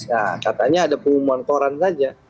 nah katanya ada pengumuman koran saja